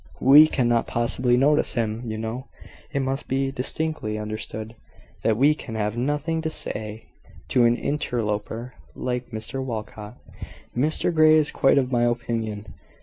"We cannot possibly notice him, you know. It must be distinctly understood, that we can have nothing to say to an interloper like Mr Walcot. Mr Grey is quite of my opinion.